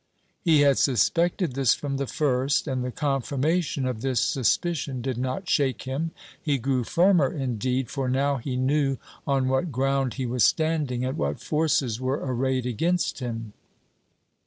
He had suspected this from the first, and the confirmation of this suspicion did not shake him. He grew firmer, indeed; for now he knew on what ground he was standing, and what forces were arrayed against him.